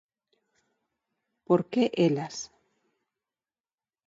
Por que elas?